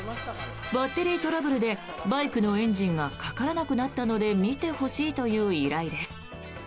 バッテリートラブルでバイクのエンジンがかからなくなったので見てほしいという依頼です。